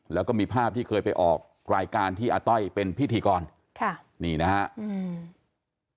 แล้วก็มีภาพที่เคยไปออกรายการที่อาต้อยเป็นพิธีกรค่ะนี่นะฮะอืม